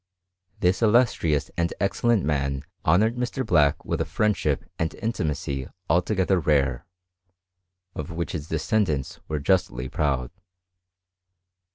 This illustrious and excellent man honoured Mr. Black with a friendship and intimacy altogether rare ; of which his descendants were justly proud.